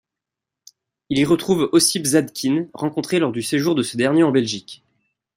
Il y retrouve Ossip Zadkine, rencontré lors du séjour de ce dernier en Belgique.